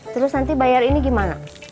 terus nanti bayar ini gimana